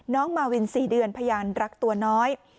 มาวิน๔เดือนพยานรักตัวน้อย